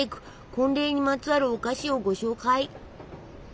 婚礼にまつわるお菓子をご紹介！